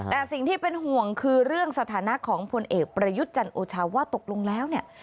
แต่สิ่งที่เป็นห่วงคือเรื่องสถานะของพลเอกประยุทธ์จันโอชาว่าตกลงแล้วเนี่ย